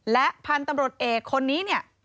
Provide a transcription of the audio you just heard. และพันธ์ตำรวจเอกคนนี้